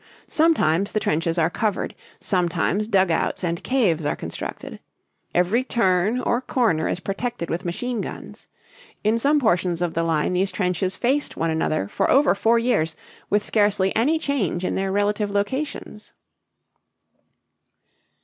Sometimes the trenches are covered; sometimes dugouts and caves are constructed. Every turn or corner is protected with machine guns. In some portions of the line these trenches faced one another for over four years with scarcely any change in their relative locations.